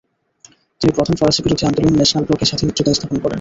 তিনি প্রধান ফরাসি বিরোধী আন্দোলন ন্যাশনাল ব্লকের সাথে মিত্রতা স্থাপন করেন।